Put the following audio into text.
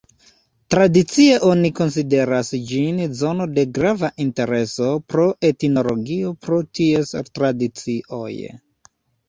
Tradicie oni konsideras ĝin zono de grava intereso pro etnologio pro ties tradicioj.